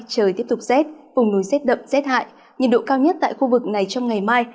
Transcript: trời tiếp tục z vùng núi z đậm z hại nhiệt độ cao nhất tại khu vực này trong ngày mai